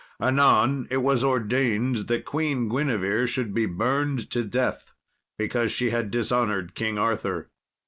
Anon it was ordained that Queen Guinevere should be burned to death, because she had dishonoured King Arthur.